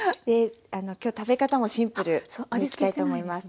今日食べ方もシンプルでいきたいと思います。